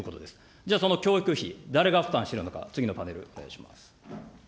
じゃあその教育費、誰が負担してるのか、次のパネル、お願いします。